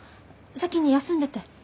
先に休んでて。